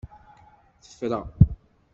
Tefra!